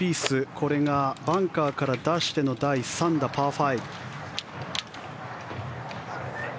これがバンカーから出しての第３打、パー５。